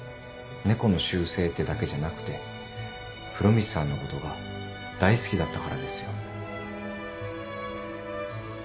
猫の習性ってだけじゃなくて風呂光さんのことが大好きだったからですよ。